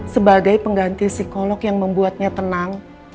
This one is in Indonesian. sebagai pengganti psikolog yang membuatnya tenang